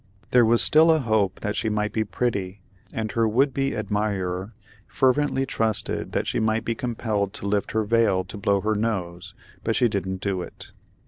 There was still a hope that she might be pretty, and her would be admirer fervently trusted that she might be compelled to lift her veil to blow her nose, but she didn't do it.